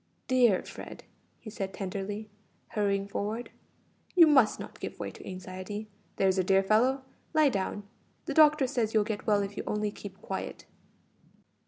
"Dear Fred," he said tenderly, hurrying forward; "you must not give way to anxiety, there's a dear fellow. Lie down. The doctor says you'll get well if you only keep quiet."